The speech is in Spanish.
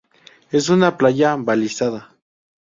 Es una playa balizada.